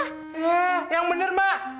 eh yang bener mah